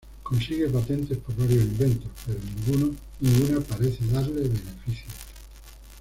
Consigue patentes por varios inventos, pero ninguna parece darle beneficios.